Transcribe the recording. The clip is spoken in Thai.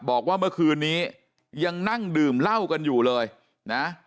บอกว่าเมื่อคืนนี้ยังนั่งดื่มเหล้ากันอยู่เลยนะ